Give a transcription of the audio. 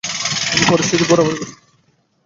আমি পরিস্থিতি পুরোপুরি বুঝতে পারছি।